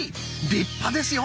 立派ですよ。